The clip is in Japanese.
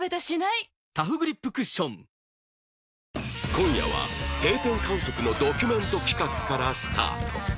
今夜は定点観測のドキュメント企画からスタート